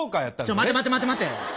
ちょっ待て待て待て待て！